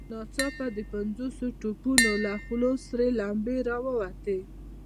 ناڅاپه د پنځوسو توپونو له خولو سرې لمبې را ووتې.